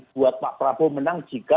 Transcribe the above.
buat pak prabowo menang jika